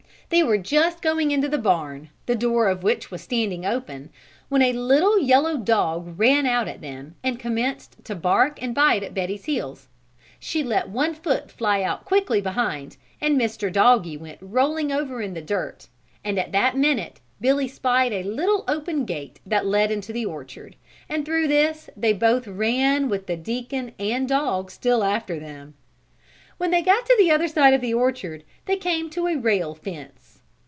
They were just going into the barn, the door of which was standing open, when a little, yellow dog ran out at them and commenced to bark and bite at Betty's heels. She let one foot fly out quickly behind and Mr. Doggie went rolling over in the dirt, and at that minute Billy spied a little open gate that led into the orchard and through this they both ran with the Deacon and dog still after them. When they got to the other side of the orchard they came to a rail fence.